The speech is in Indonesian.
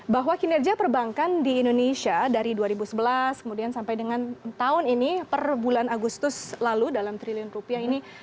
bahwa kinerja perbankan di indonesia dari dua ribu sebelas kemudian sampai dengan tahun ini per bulan agustus lalu dalam triliun rupiah ini